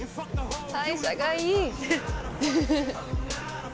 代謝がいい。